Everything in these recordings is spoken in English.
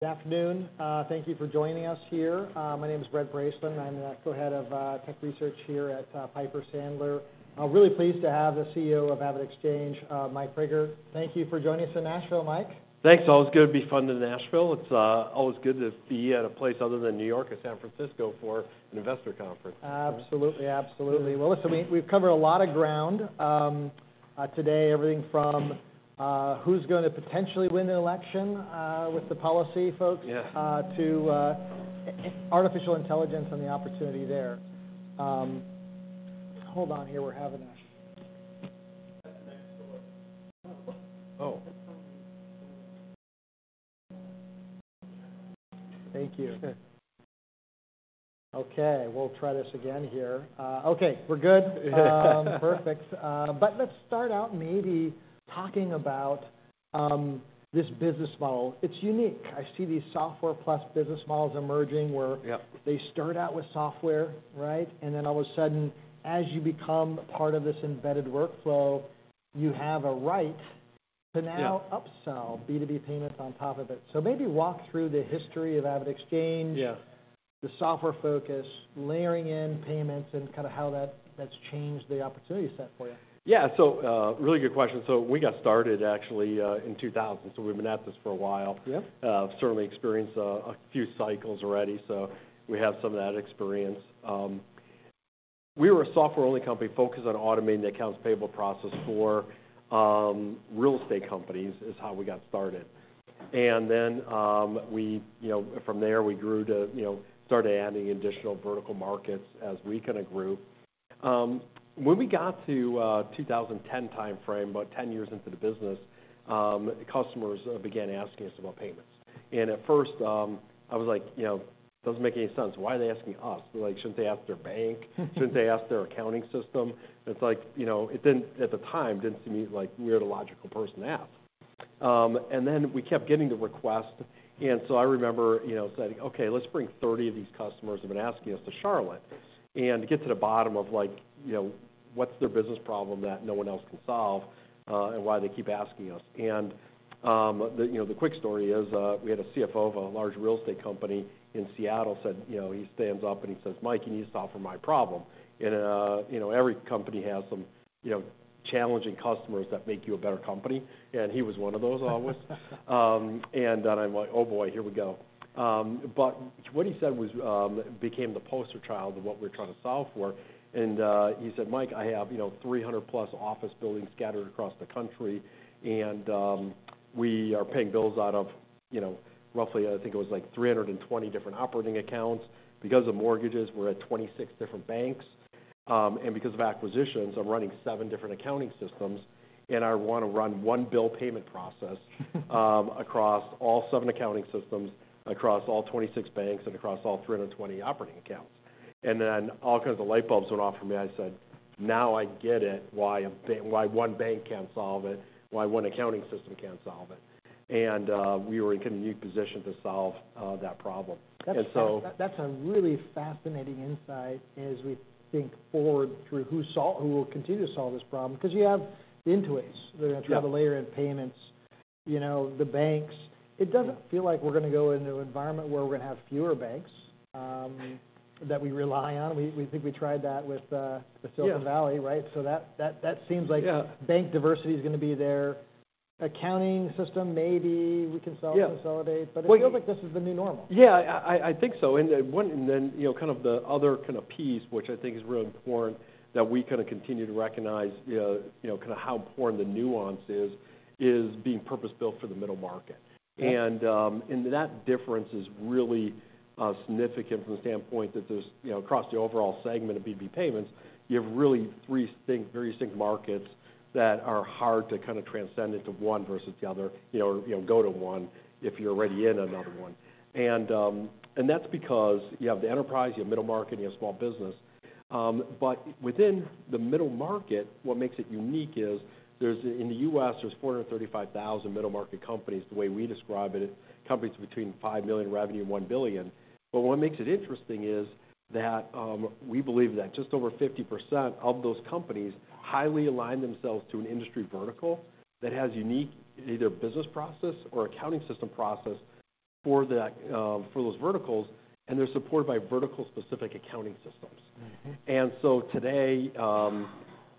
Good afternoon. Thank you for joining us here. My name is Brent Bracelin. I'm the Co-Head of Tech Research here at Piper Sandler. I'm really pleased to have the CEO of AvidXchange, Mike Praeger. Thank you for joining us in Nashville, Mike. Thanks. It's always good to be back in Nashville. It's always good to be at a place other than New York or San Francisco for an investor conference. Absolutely. Absolutely. Well, listen, we've covered a lot of ground today, everything from who's gonna potentially win the election with the policy folks- Yes... to artificial intelligence and the opportunity there. Hold on here, we're having a... Oh! Thank you. Okay, we'll try this again here. Okay, we're good? Perfect. But let's start out maybe talking about this business model. It's unique. I see these software plus business models emerging, where- Yep They start out with software, right? And then all of a sudden, as you become part of this embedded workflow, you have a right- Yeah to now upsell B2B payments on top of it. So maybe walk through the history of AvidXchange. Yeah the software focus, layering in payments, and kinda how that—that's changed the opportunity set for you. Yeah. So, really good question. So we got started actually in 2000, so we've been at this for a while. Yep. Certainly experienced a few cycles already, so we have some of that experience. We were a software-only company focused on automating the accounts payable process for real estate companies, is how we got started. And then, we, you know, from there, we grew to, you know, started adding additional vertical markets as we kinda grew. When we got to the 2010 timeframe, about 10 years into the business, customers began asking us about payments. And at first, I was like, "You know, it doesn't make any sense. Why are they asking us? Like, shouldn't they ask their bank? Shouldn't they ask their accounting system?" It's like, you know, it didn't... At the time, didn't seem like we were the logical person to ask. And then we kept getting the request, and so I remember, you know, saying: "Okay, let's bring 30 of these customers who've been asking us to Charlotte, and get to the bottom of like, you know, what's their business problem that no one else can solve, and why they keep asking us?" And, the, you know, the quick story is, we had a CFO of a large real estate company in Seattle, said, you know, he stands up and he says: "Mike, you need to solve for my problem." And, you know, every company has some, you know, challenging customers that make you a better company, and he was one of those always. And then I'm like: "Oh, boy, here we go." But what he said was became the poster child of what we're trying to solve for, and he said: "Mike, I have, you know, 300+ office buildings scattered across the country, and we are paying bills out of, you know, roughly, I think it was like 320 different operating accounts. Because of mortgages, we're at 26 different banks. And because of acquisitions, I'm running seven different accounting systems, and I want to run one bill payment process across all seven accounting systems, across all 26 banks, and across all 320 operating accounts." And then all kinds of the light bulbs went off for me. I said, "Now I get it, why one bank can't solve it, why one accounting system can't solve it." And we were in a unique position to solve that problem. And so- That's a really fascinating insight as we think forward through who will continue to solve this problem because you have Intuit's- Yeah They're gonna try to layer in payments. You know, the banks- Yeah It doesn't feel like we're gonna go into an environment where we're gonna have fewer banks that we rely on. We think we tried that with the Silicon Valley- Yeah Right? So that seems like- Yeah Bank diversity is gonna be there. Accounting system, maybe we can solve- Yeah - consolidate. Well, yeah- But it feels like this is the new normal. Yeah, I think so. And then, you know, kind of the other kind of piece, which I think is really important, that we kinda continue to recognize, you know, kinda how important the nuance is, is being purpose-built for the middle market. Yeah. And that difference is really significant from the standpoint that there's, you know, across the overall segment of B2B payments, you have really three distinct, very distinct markets that are hard to kind of transcend into one versus the other, you know, or, you know, go to one if you're already in another one. And that's because you have the enterprise, you have middle market, and you have small business. But within the middle market, what makes it unique is there's, in the U.S., there's 435,000 middle-market companies, the way we describe it, companies between $5 million revenue and $1 billion. What makes it interesting is that, we believe that just over 50% of those companies highly align themselves to an industry vertical that has unique either business process or accounting system process for that, for those verticals, and they're supported by vertical-specific accounting systems. Mm-hmm. And so today,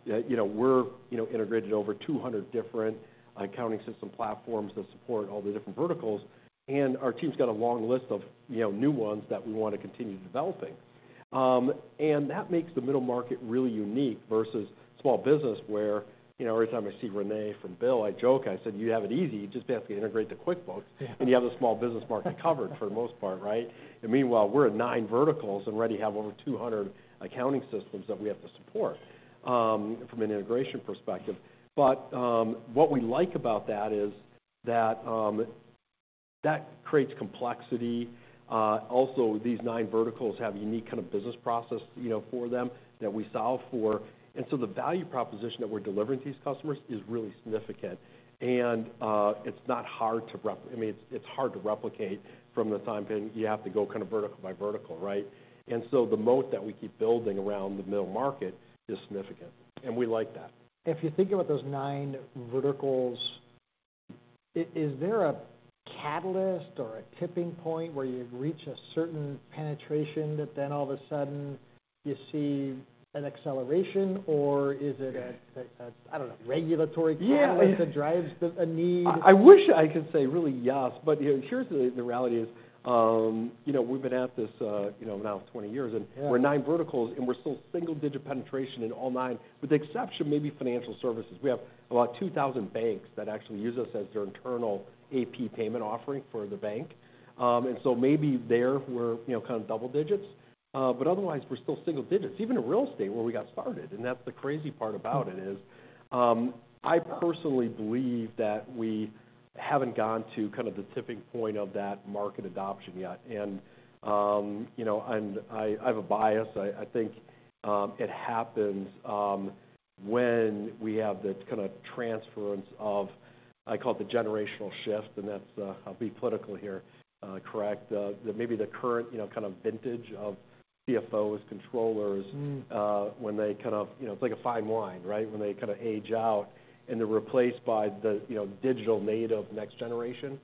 you know, we're, you know, integrated over 200 different accounting system platforms that support all the different verticals, and our team's got a long list of, you know, new ones that we want to continue developing. And that makes the middle market really unique versus small business, where, you know, every time I see René from BILL, I joke, I said: "You have it easy. You just basically integrate the QuickBooks- Yeah and you have the small business market covered for the most part," right? And meanwhile, we're at nine verticals and already have over 200 accounting systems that we have to support, from an integration perspective. But, what we like about that is that, that creates complexity. Also, these nine verticals have a unique kind of business process, you know, for them that we solve for. And so the value proposition that we're delivering to these customers is really significant. And, it's not hard to rep- I mean, it's hard to replicate for the time being. You have to go kind of vertical by vertical, right? And so the moat that we keep building around the middle market is significant, and we like that. If you think about those nine verticals... Is there a catalyst or a tipping point where you've reached a certain penetration that then all of a sudden you see an acceleration? Or is it a, I don't know, regulatory catalyst- Yeah that drives a need? I wish I could say really yes, but, you know, here's the reality is, you know, we've been at this, you know, now 20 years, and- Yeah We're nine verticals, and we're still single-digit penetration in all nine, with the exception maybe financial services. We have about 2,000 banks that actually use us as their internal AP payment offering for the bank. And so maybe there we're, you know, kind of double digits, but otherwise, we're still single digits, even in real estate, where we got started, and that's the crazy part about it is. I personally believe that we haven't gone to kind of the tipping point of that market adoption yet. And, you know, and I have a bias. I think it happens, when we have the kind of transference of, I call it the generational shift, and that's, I'll be political here, correct. That maybe the current, you know, kind of vintage of CFOs, controllers- Mm when they kind of... You know, it's like a fine wine, right? When they kind of age out, and they're replaced by the, you know, digital native next generation,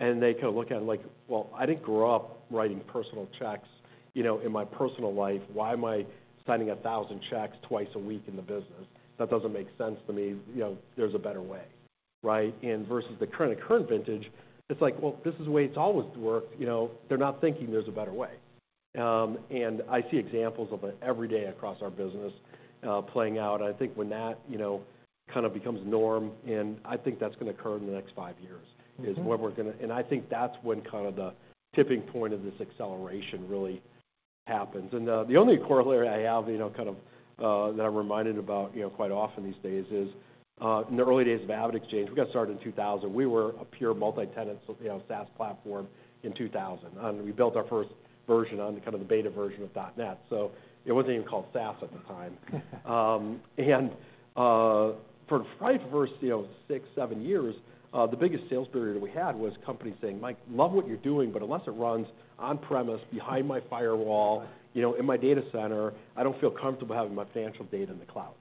and they kind of look at it like: Well, I didn't grow up writing personal checks, you know, in my personal life. Why am I signing 1,000 checks twice a week in the business? That doesn't make sense to me. You know, there's a better way, right? And versus the current, current vintage, it's like: Well, this is the way it's always worked. You know, they're not thinking there's a better way. And I see examples of it every day across our business, playing out. I think when that, you know, kind of becomes norm, and I think that's going to occur in the next five years- Mm-hmm is what we're gonna do. I think that's when kind of the tipping point of this acceleration really happens. And the only corollary I have, you know, kind of, that I'm reminded about, you know, quite often these days is, in the early days of AvidXchange, we got started in 2000. We were a pure multi-tenant, so, you know, SaaS platform in 2000, and we built our first version on kind of the beta version of .NET. So it wasn't even called SaaS at the time. And, for the first, you know, six, seven years, the biggest sales barrier that we had was companies saying: "Mike, love what you're doing, but unless it runs on premise behind my firewall, you know, in my data center, I don't feel comfortable having my financial data in the cloud."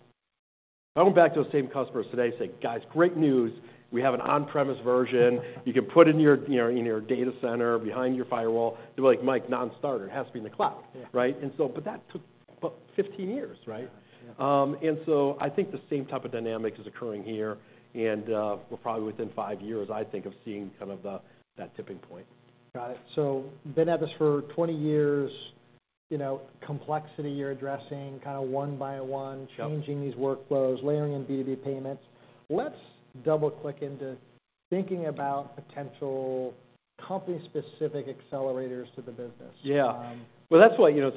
Going back to those same customers today, saying: "Guys, great news, we have an on-premise version. You can put in your, you know, in your data center, behind your firewall." They're like: "Mike, non-starter. It has to be in the cloud. Yeah. Right? And so but that took about 15 years, right? Yeah, yeah. And so I think the same type of dynamic is occurring here, and we're probably within five years, I think, of seeing kind of that tipping point. Got it. So been at this for 20 years, you know, complexity, you're addressing kind of one by one- Yeah Changing these workflows, layering in B2B payments. Let's double-click into thinking about potential company-specific accelerators to the business. Yeah. Um- Well, that's why, you know,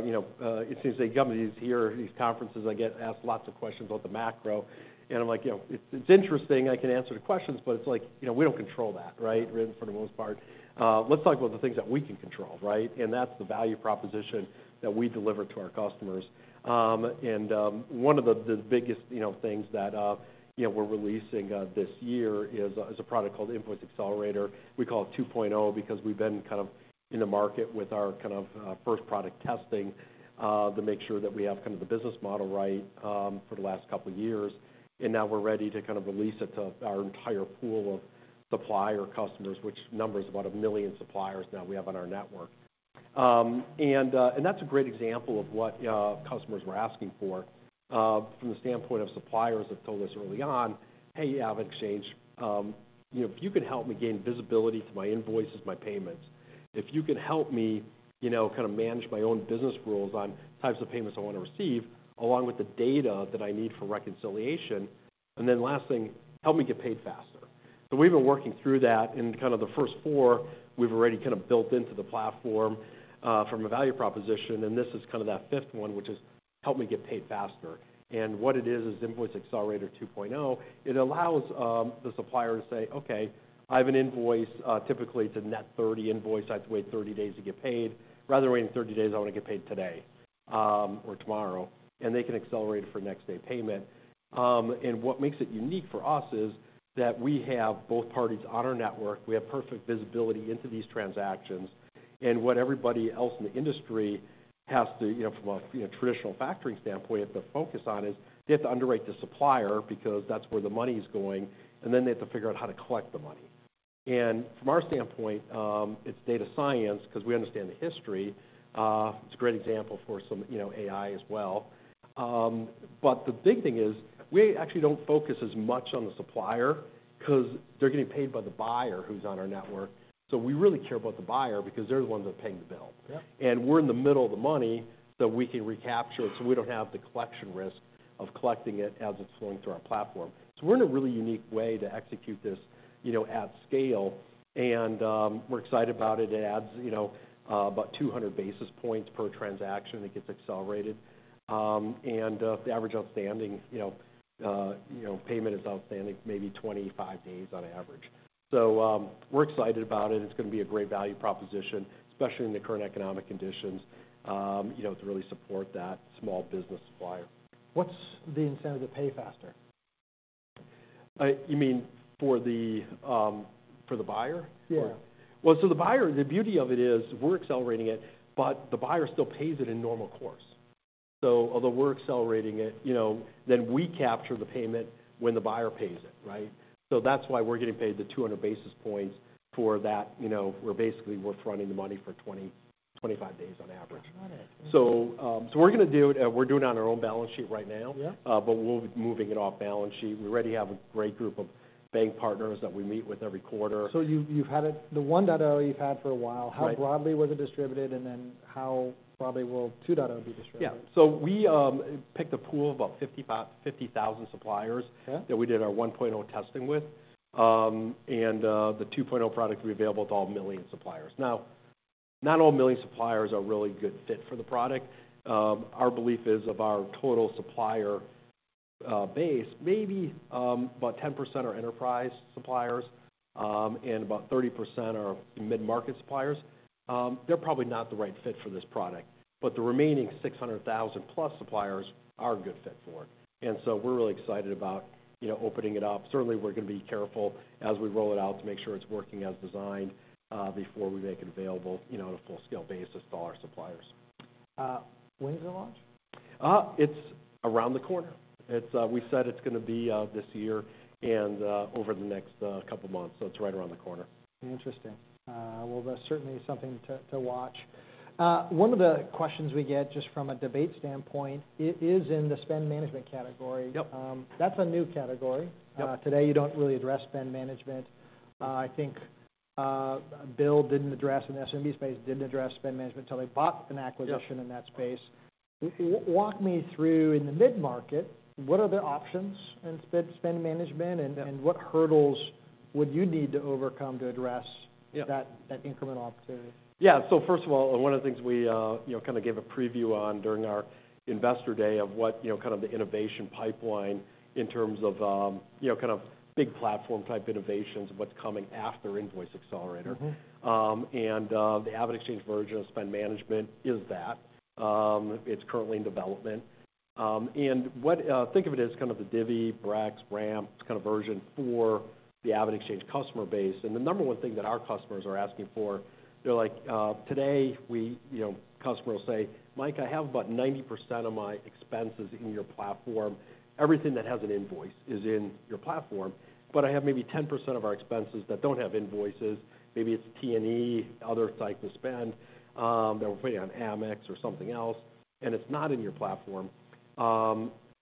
you know, it seems like come to these here, these conferences, I get asked lots of questions about the macro, and I'm like, you know, it's, it's interesting. I can answer the questions, but it's like, you know, we don't control that, right? We're in for the most part. Let's talk about the things that we can control, right? And that's the value proposition that we deliver to our customers. And one of the biggest, you know, things that, you know, we're releasing this year is a product called Invoice Accelerator. We call it 2.0, because we've been kind of in the market with our kind of first product testing to make sure that we have kind of the business model right for the last couple of years. And now we're ready to kind of release it to our entire pool of supplier customers, which numbers about 1 million suppliers. Now we have on our network. And that's a great example of what customers were asking for, from the standpoint of suppliers have told us early on: Hey, AvidXchange, you know, if you can help me gain visibility to my invoices, my payments, if you can help me, you know, kind of manage my own business rules on types of payments I want to receive, along with the data that I need for reconciliation, and then last thing, help me get paid faster. So we've been working through that, and kind of the first four, we've already kind of built into the platform, from a value proposition, and this is kind of that fifth one, which is: Help me get paid faster. And what it is, is Invoice Accelerator 2.0, it allows the supplier to say: Okay, I have an invoice. Typically, it's a net 30 invoice. I have to wait 30 days to get paid. Rather than waiting 30 days, I want to get paid today, or tomorrow, and they can accelerate it for next day payment. And what makes it unique for us is that we have both parties on our network. We have perfect visibility into these transactions. What everybody else in the industry has to, you know, from a, you know, traditional factoring standpoint, have to focus on is they have to underwrite the supplier because that's where the money is going, and then they have to figure out how to collect the money. From our standpoint, it's data science because we understand the history. It's a great example for some, you know, AI as well. But the big thing is, we actually don't focus as much on the supplier because they're getting paid by the buyer who's on our network. So we really care about the buyer because they're the ones that are paying the bill. Yeah. We're in the middle of the money, so we can recapture it, so we don't have the collection risk of collecting it as it's flowing through our platform. So we're in a really unique way to execute this, you know, at scale, and we're excited about it. It adds, you know, about 200 basis points per transaction, it gets accelerated. The average outstanding, you know, you know, payment is outstanding, maybe 25 days on average. So we're excited about it. It's going to be a great value proposition, especially in the current economic conditions, you know, to really support that small business supplier. What's the incentive to pay faster? You mean for the, for the buyer? Yeah. Well, so the buyer, the beauty of it is, we're accelerating it, but the buyer still pays it in normal course. So although we're accelerating it, you know, then we capture the payment when the buyer pays it, right? So that's why we're getting paid the 200 basis points for that, you know, we're basically worth running the money for 20-25 days on average. Got it. So, we're doing it on our own balance sheet right now. Yeah. But we'll be moving it off balance sheet. We already have a great group of bank partners that we meet with every quarter. So you've had it... The 1.0 you've had for a while- Right. How broadly was it distributed, and then how broadly will 2.0 be distributed? Yeah. So we picked a pool of about 50,000 suppliers- Yeah... that we did our 1.0 testing with. And, the 2.0 product will be available to all 1 million suppliers. Now, not all 1 million suppliers are really good fit for the product. Our belief is, of our total supplier base, maybe, about 10% are enterprise suppliers, and about 30% are mid-market suppliers. They're probably not the right fit for this product, but the remaining 600,000+ suppliers are a good fit for it. And so we're really excited about, you know, opening it up. Certainly, we're gonna be careful as we roll it out to make sure it's working as designed, before we make it available, you know, on a full-scale basis to all our suppliers. When does it launch? It's around the corner. It's, we said it's gonna be this year and over the next couple of months, so it's right around the corner. Interesting. Well, that's certainly something to watch. One of the questions we get, just from a debate standpoint, it is in the spend management category. Yep. That's a new category. Yep. Today, you don't really address spend management. I think, BILL didn't address, in the SMB space, didn't address spend management until they bought an acquisition- Yeah in that space. Walk me through, in the mid-market, what are the options in spend, spend management, and- Yeah... and what hurdles would you need to overcome to address- Yeah that incremental opportunity? Yeah. So first of all, one of the things we, you know, kind of gave a preview on during our investor day of what, you know, kind of the innovation pipeline in terms of, you know, kind of big platform-type innovations and what's coming after Invoice Accelerator. Mm-hmm. The AvidXchange version of spend management is that. It's currently in development. Think of it as kind of the Divvy, Brex, Ramp kind of version for the AvidXchange customer base. The number one thing that our customers are asking for, they're like, "Today, we..." You know, customer will say, "Mike, I have about 90% of my expenses in your platform. Everything that has an invoice is in your platform, but I have maybe 10% of our expenses that don't have invoices. Maybe it's T&E, other types of spend, that we're putting on Amex or something else, and it's not in your platform.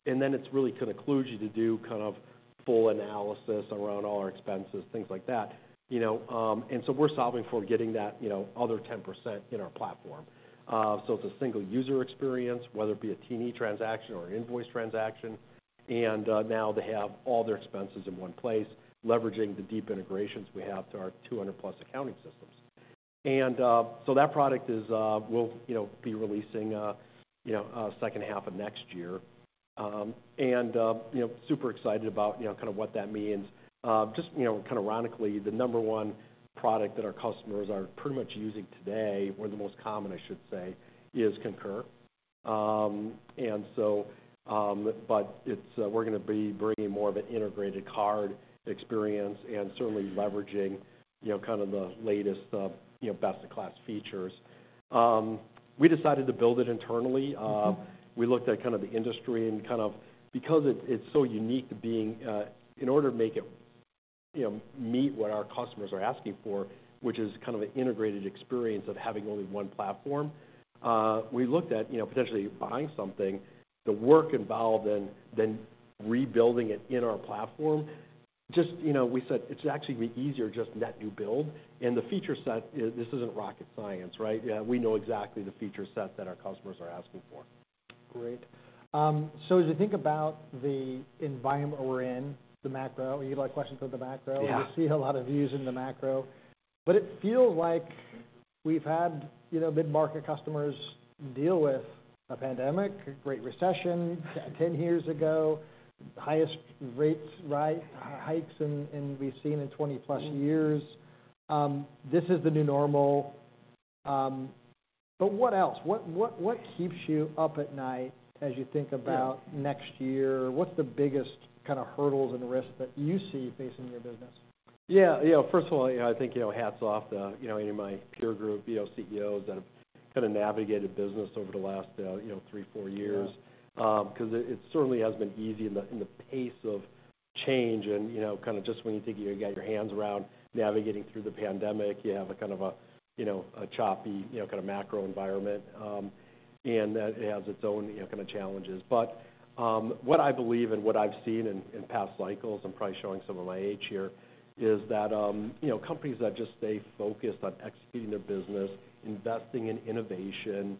And then it's really kind of includes you to do kind of full analysis around all our expenses, things like that. You know, and so we're solving for getting that, you know, other 10% in our platform. So it's a single user experience, whether it be a T&E transaction or an invoice transaction, and now they have all their expenses in one place, leveraging the deep integrations we have to our 200+ accounting systems. And so that product is, we'll, you know, be releasing, you know, second half of next year. And you know, super excited about, you know, kind of what that means. Just, you know, kind of ironically, the number one product that our customers are pretty much using today, or the most common, I should say, is Concur. But we're gonna be bringing more of an integrated card experience and certainly leveraging, you know, kind of the latest, you know, best-in-class features. We decided to build it internally. Mm-hmm. We looked at kind of the industry and kind of because it, it's so unique to being. In order to make it, you know, meet what our customers are asking for, which is kind of an integrated experience of having only one platform, we looked at, you know, potentially buying something, the work involved, and then rebuilding it in our platform. Just, you know, we said it's actually easier just let you build. And the feature set, this isn't rocket science, right? Yeah, we know exactly the feature set that our customers are asking for. Great. So as you think about the environment we're in, the macro, you get a lot of questions on the macro- Yeah. We see a lot of views in the macro, but it feels like we've had, you know, mid-market customers deal with a pandemic, a Great Recession 10 years ago, highest rates, right, hikes, and we've seen in 20+ years. This is the new normal, but what else? What, what, what keeps you up at night as you think about- Yeah... next year? What's the biggest kind of hurdles and risks that you see facing your business? Yeah, yeah, first of all, I think, you know, hats off to, you know, any of my peer group, you know, CEOs that have kind of navigated business over the last, you know, three-four years. Yeah. 'Cause it certainly hasn't been easy in the pace of change. And, you know, kind of just when you think you got your hands around navigating through the pandemic, you have a kind of a choppy, you know, kind of macro environment, and that it has its own, you know, kind of challenges. But what I believe and what I've seen in past cycles, I'm probably showing some of my age here, is that, you know, companies that just stay focused on executing their business, investing in innovation,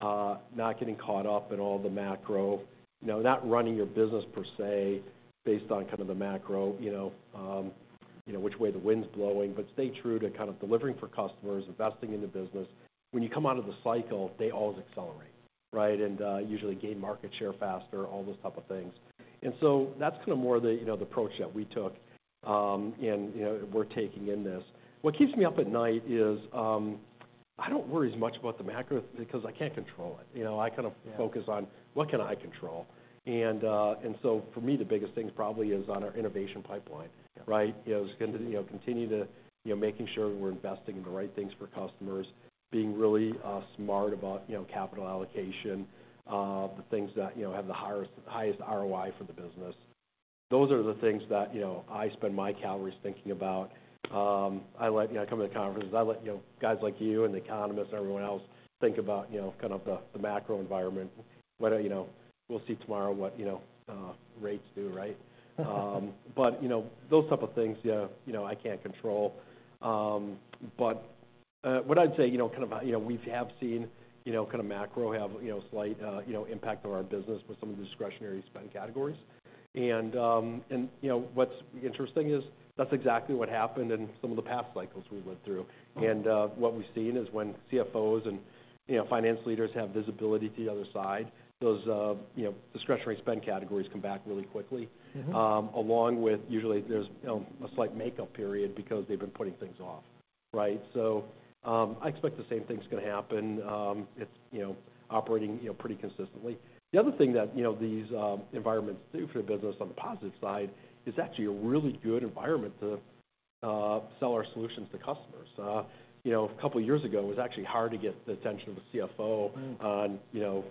not getting caught up in all the macro, you know, not running your business per se, based on kind of the macro, you know, which way the wind's blowing, but stay true to kind of delivering for customers, investing in the business. When you come out of the cycle, they always accelerate, right? And usually gain market share faster, all those type of things. And so that's kind of more the, you know, the approach that we took, and, you know, we're taking in this. What keeps me up at night is, I don't worry as much about the macro because I can't control it. You know, I kind of- Yeah... focus on what can I control? And, and so for me, the biggest thing probably is on our innovation pipeline. Yeah. Right? You know, it's gonna, you know, continue to, you know, making sure we're investing in the right things for customers, being really, smart about, you know, capital allocation, the things that, you know, have the highest, highest ROI for the business. Those are the things that, you know, I spend my calories thinking about. I let. You know, I come to the conferences, I let, you know, guys like you, and the economists, and everyone else think about, you know, kind of the, the macro environment. Whether, you know, we'll see tomorrow what, you know, rates do, right? But, you know, those type of things, yeah, you know, I can't control. But, what I'd say, you know, kind of, you know, we have seen, you know, kind of macro headwinds have, you know, slight, you know, impact on our business with some of the discretionary spend categories. And, you know, what's interesting is that's exactly what happened in some of the past cycles we went through. Mm-hmm. What we've seen is when CFOs and, you know, finance leaders have visibility to the other side, those, you know, discretionary spend categories come back really quickly. Mm-hmm. Along with usually there's a slight makeup period because they've been putting things off, right? So, I expect the same thing's gonna happen. It's, you know, operating, you know, pretty consistently. The other thing that, you know, these environments do for the business on the positive side is actually a really good environment to sell our solutions to customers. You know, a couple of years ago, it was actually hard to get the attention of a CFO- Mm. -on, you know,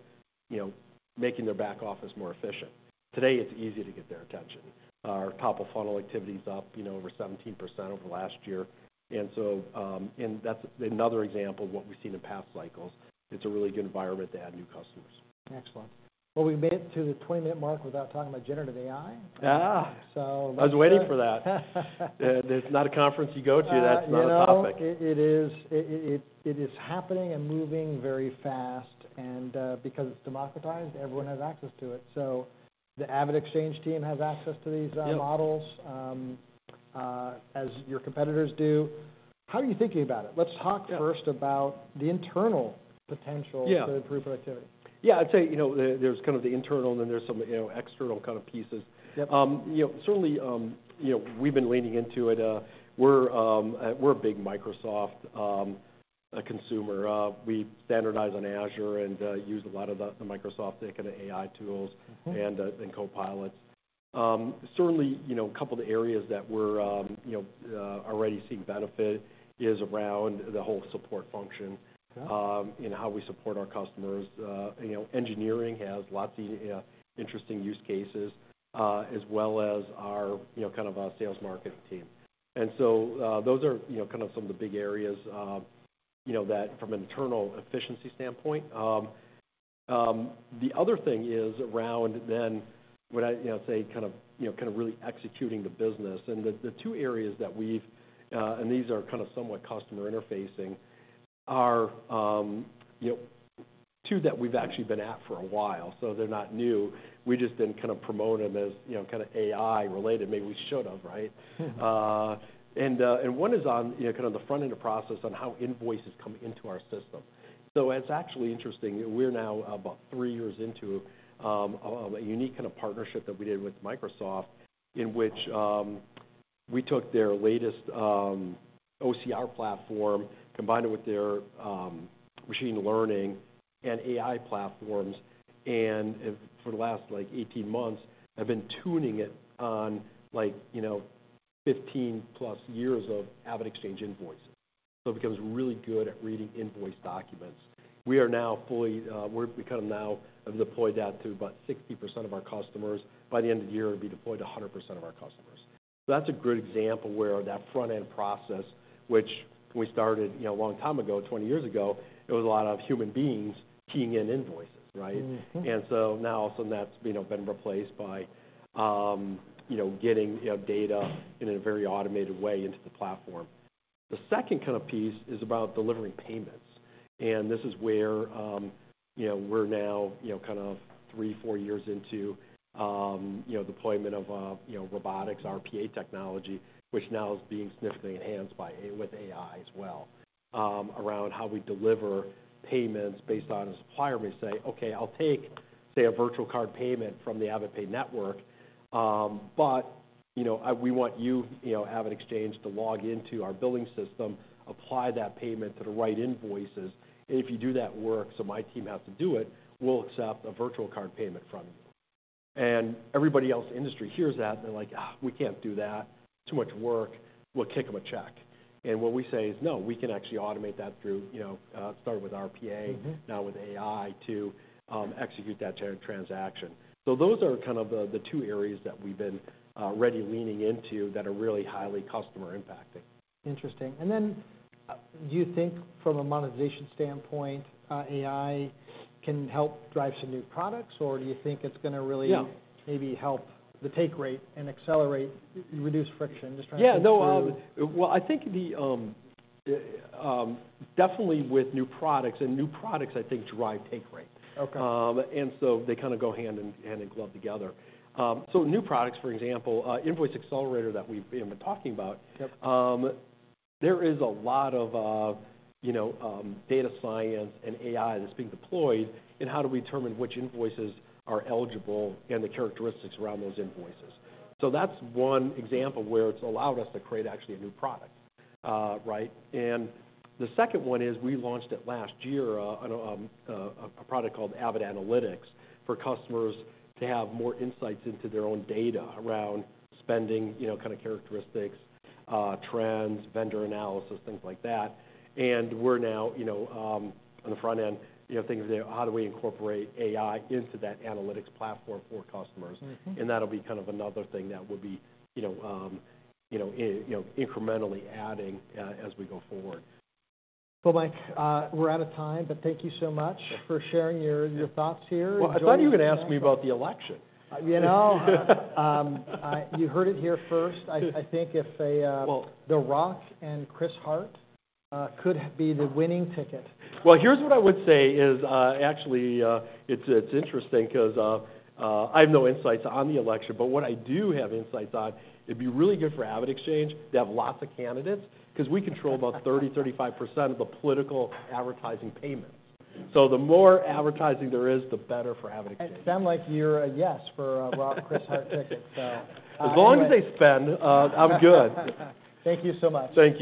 you know, making their back office more efficient. Today, it's easy to get their attention. Our top-of-funnel activity is up, you know, over 17% over last year. And so, and that's another example of what we've seen in past cycles. It's a really good environment to add new customers. Excellent. Well, we made it to the 20-minute mark without talking about generative AI. Ah! So- I was waiting for that. There's not a conference you go to, that's not a topic. You know, it is happening and moving very fast. And because it's democratized, everyone has access to it. So the AvidXchange team has access to these, Yep... models, as your competitors do. How are you thinking about it? Let's talk- Yeah First about the internal potential. Yeah to improve activity. Yeah, I'd say, you know, there's kind of the internal, and then there's some, you know, external kind of pieces. Yep. You know, certainly, you know, we've been leaning into it. We're a big Microsoft consumer. We standardize on Azure and use a lot of the Microsoft, the kind of AI tools- Mm-hmm... and Copilots. Certainly, you know, a couple of the areas that we're, you know, already seeing benefit is around the whole support function- Yeah... in how we support our customers. You know, engineering has lots of interesting use cases as well as our, you know, kind of our sales market team. And so, those are, you know, kind of some of the big areas, you know, that from an internal efficiency standpoint. The other thing is around then, what I, you know, say kind of, you know, kind of really executing the business. And the two areas that we've And these are kind of somewhat customer interfacing, are, you know, two that we've actually been at for a while, so they're not new. We just didn't kind of promote them as, you know, kind of AI-related. Maybe we should have, right? And one is on, you know, kind of the front end of the process on how invoices come into our system. So it's actually interesting, we're now about three years into a unique kind of partnership that we did with Microsoft, in which we took their latest OCR platform, combined it with their machine learning and AI platforms, and for the last, like, 18 months, have been tuning it on, like, you know, 15+ years of AvidXchange invoices. So it becomes really good at reading invoice documents. We kind of now have deployed that to about 60% of our customers. By the end of the year, it'll be deployed to 100% of our customers. That's a great example where that front-end process, which we started, you know, a long time ago, 20 years ago, it was a lot of human beings keying in invoices, right? Mm-hmm. So now, some of that's, you know, been replaced by, you know, getting, you know, data in a very automated way into the platform. The second kind of piece is about delivering payments, and this is where, you know, we're now, you know, kind of three-four years into, you know, deployment of, you know, robotics, RPA technology, which now is being significantly enhanced with AI as well, around how we deliver payments based on a supplier may say: "Okay, I'll take, say, a virtual card payment from the AvidPay Network, but, you know, we want you, you know, AvidXchange, to log into our billing system, apply that payment to the right invoices. If you do that work, so my team has to do it, we'll accept a virtual card payment from you. Everybody else in the industry hears that, and they're like, "Ah, we can't do that. Too much work. We'll kick them a check." What we say is: "No, we can actually automate that through, you know, starting with RPA- Mm-hmm now with AI, to execute that transaction. So those are kind of the two areas that we've been already leaning into that are really highly customer impacting. Interesting. And then, do you think from a monetization standpoint, AI can help drive some new products, or do you think it's gonna really- Yeah... maybe help the take rate and accelerate, reduce friction? Just trying to- Yeah, no, Uh- Well, I think definitely with new products, and new products, I think, drive take rate. Okay. And so they kind of go hand in glove together. So, new products, for example, Invoice Accelerator that we've been talking about. Yep. There is a lot of, you know, data science and AI that's being deployed, and how do we determine which invoices are eligible and the characteristics around those invoices? So that's one example where it's allowed us to create actually a new product, right? And the second one is, we launched it last year, on a product called Avid Analytics, for customers to have more insights into their own data around spending, you know, kind of characteristics, trends, vendor analysis, things like that. And we're now, you know, on the front end, you know, thinking how do we incorporate AI into that analytics platform for customers? Mm-hmm. And that'll be kind of another thing that we'll be, you know, you know, you know, incrementally adding as we go forward. Well, Mike, we're out of time, but thank you so much. Yeah... for sharing your- Yeah... your thoughts here. Well, I thought you were going to ask me about the election. You know, you heard it here first. I think if they, Well-... The Rock and Chris Hart could be the winning ticket. Well, here's what I would say is, actually, it's interesting because, I have no insights on the election, but what I do have insights on, it'd be really good for AvidXchange to have lots of candidates... because we control about 30%-35% of the political advertising payments. So the more advertising there is, the better for AvidXchange. It sounds like you're a yes for Rock, Chris Hart ticket, so. As long as they spend, I'm good. Thank you so much. Thank you.